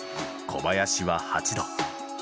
小林は８度。